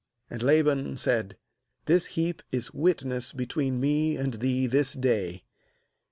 48And Laban said: 'This heap is witness between me and thee this day.'